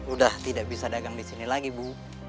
udah tidak bisa dagang disini lagi bu